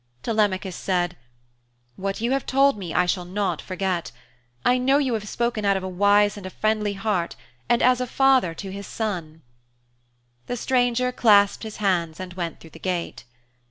Telemachus said: 'What you have told me I shall not forget. I know you have spoken out of a wise and a friendly heart, and as a father to his son.' The stranger clasped his hands and went through the gate.